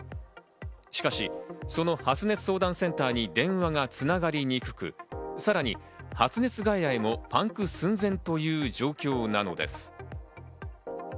しかし、その発熱相談センターに電話が繋がりにくく、さらに発熱外来もパンク寸前という状況なのです。